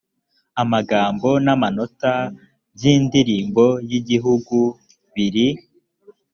amagambo n amanota by indirimbo y igihugu biri